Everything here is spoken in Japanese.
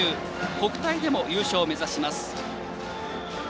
国体でも優勝を目指します。